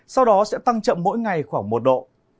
sau đó sẽ tăng chậm mỗi ngày khoảng một độ